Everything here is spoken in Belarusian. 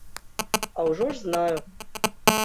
А ўжо ж знаю!